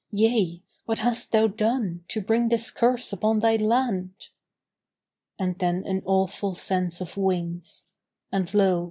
Yea, what hast thou done To bring this curse upon thy land?" And then an awful sense of wings: And, lo!